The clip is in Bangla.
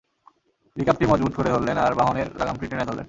রিকাবটি মজবুত করে ধরলেন আর বাহনের লাগামটি টেনে ধরলেন।